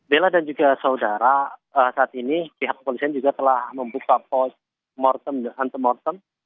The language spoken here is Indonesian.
bella dan juga saudara saat ini pihak kepolisian juga telah membuka pos antemortem